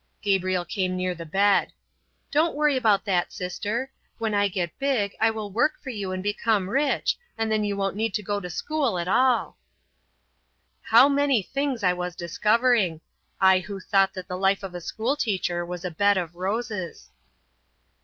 Gabriel came near the bed, "Don't worry about that, sister; when I get big I will work for you and become rich, and then you won't need to go to school at all." How many things I was discovering, I who thought that the life of the school teacher was a bed of roses.